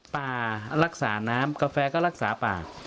ป่ารักษาน้ำกาแฟก็รักษาป่า